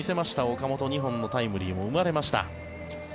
岡本、２本のタイムリーも生まれました。